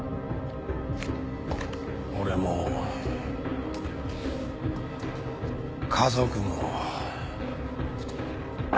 俺も家族も。